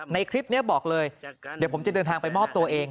ในคลิปนี้บอกเลยเดี๋ยวผมจะเดินทางไปมอบตัวเอง